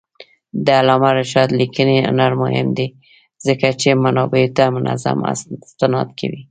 د علامه رشاد لیکنی هنر مهم دی ځکه چې منابعو ته منظم استناد کوي.